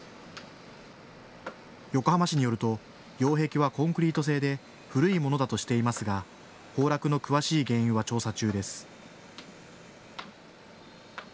横浜市によると擁壁はコンクリート製で古いものだとしていますが崩落の詳しい原因は調査中です。